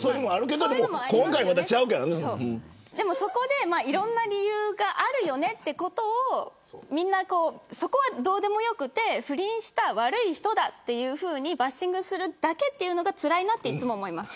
そこでいろんな理由があるよねということをそこはどうでもよくて不倫した、悪い人だというふうにバッシングするだけというのがつらいなといつも思います。